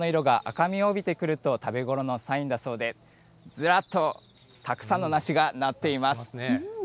皮の色が赤みを帯びてくると食べごろのサインだそうで、ずらっと、たくさんの梨がなっています。